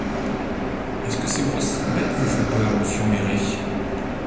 Est-ce que ces grosses bêtes vous font peur, monsieur Méré?